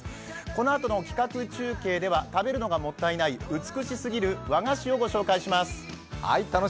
このあとの企画中継では食べるのがもったいない美しすぎる和菓子を御紹介いたします。